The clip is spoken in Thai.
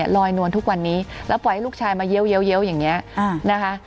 ลอยนวลทุกวันนี้แล้วปล่อยให้ลูกชายมาเยี้ยวอย่างนี้นะคะ